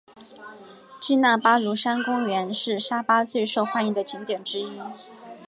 基纳巴卢山国家公园是沙巴最受欢迎的景点之一。